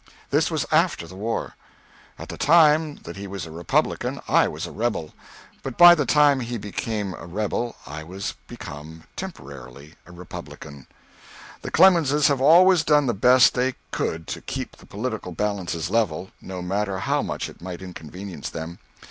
This was after the war. At the time that he was a Republican I was a rebel; but by the time he had become a rebel I was become (temporarily) a Republican. The Clemenses have always done the best they could to keep the political balances level, no matter how much it might inconvenience them.